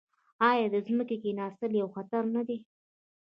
آیا د ځمکې کیناستل یو خطر نه دی؟